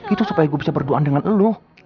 itu supaya gue bisa berduaan dengan elu